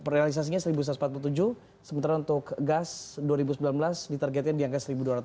realisasinya seribu satu ratus empat puluh tujuh sementara untuk gas dua ribu sembilan belas di targetkan di angka seribu dua ratus lima puluh